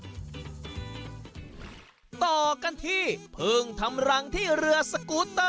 ต่อกันที่เพิ่งทำรังที่เรือสกูเตอร์